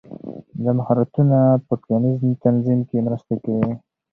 دا مهارتونه په ټولنیز تنظیم کې مرسته کوي.